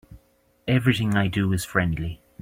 Everything I do is friendly.